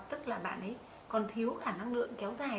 tức là bạn ấy còn thiếu khả năng lượng kéo dài